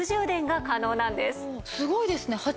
すごいですね。